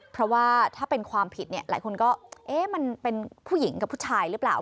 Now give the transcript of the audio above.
เพราะว่าถ้าเป็นความผิดเนี่ยหลายคนก็เอ๊ะมันเป็นผู้หญิงกับผู้ชายหรือเปล่า